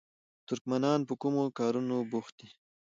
ترکمنان په کومو کارونو بوخت دي؟